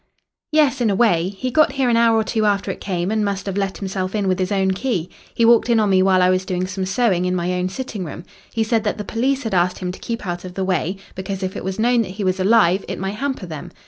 "Yes, in a way. He got here an hour or two after it came and must have let himself in with his own key. He walked in on me while I was doing some sewing in my own sitting room. He said that the police had asked him to keep out of the way, because if it was known that he was alive it might hamper them.